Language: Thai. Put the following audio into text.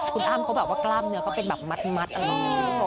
คุณอ้ำเขาแบบว่ากล้ามเนื้อเขาเป็นแบบมัดอะไรอย่างนี้